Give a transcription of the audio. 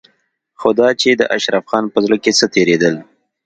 خو دا چې د اشرف خان په زړه کې څه تېرېدل.